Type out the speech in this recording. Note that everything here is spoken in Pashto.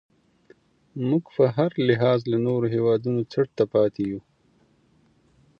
موږ په هر لحاظ له نورو هیوادونو څټ ته پاتې یو.